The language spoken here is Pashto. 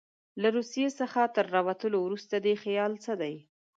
له روسیې څخه تر راوتلو وروسته خیال څه دی.